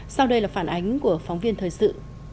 sau đây là phản ánh của phóng viên thời sự